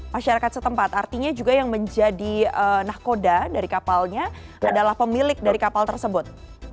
masyarakat setempat artinya juga yang menjadi nahkoda dari kapalnya adalah pemilik dari kapal tersebut